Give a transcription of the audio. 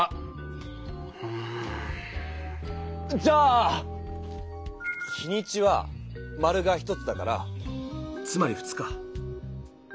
うんじゃあ日にちは○が１つだからつまり「２日」。